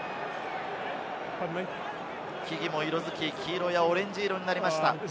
木々も色付き、黄色やオレンジ色になりました。